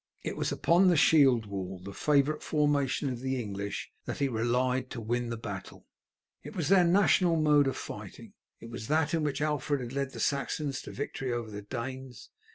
It was upon the shield wall, the favourite formation of the English, that he relied to win the battle. It was their national mode of fighting. It was that in which Alfred had led the Saxons to victory over the Danes.